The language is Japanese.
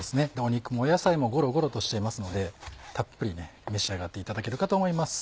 肉も野菜もゴロゴロとしていますのでたっぷり召し上がっていただけるかと思います。